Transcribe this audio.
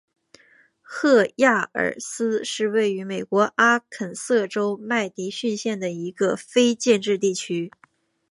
赫亚尔思是位于美国阿肯色州麦迪逊县的一个非建制地区。